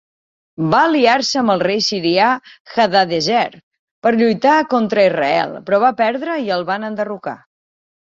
Va aliar-se amb el rei sirià Hadadezer per lluitar contra Israel, però va perdre i el van enderrocar.